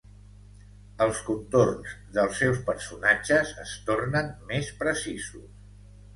Els contorns dels seus personatges es tornen més precisos.